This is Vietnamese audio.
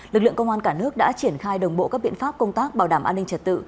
lực lượng công an cả nước đã triển khai đồng bộ các biện pháp công tác bảo đảm an ninh trật tự